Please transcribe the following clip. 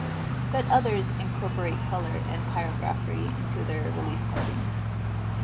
But others incorporate color and pyrography into their relief carvings.